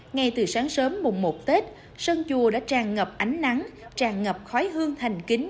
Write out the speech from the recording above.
ngay từ sáng sớm mùng một tết sơn chùa đã tràn ngập ánh nắng tràn ngập khói hương thành kính